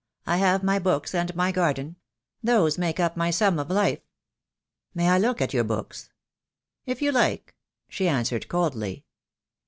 I have my books and my garden. Those make up my sum of life." "May I look at your books?" "If you like," she answered coldly.